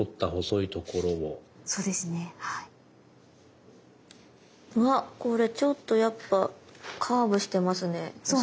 うわっこれちょっとやっぱカーブしてますねお魚。